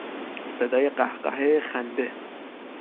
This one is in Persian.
صدای قهقه خنده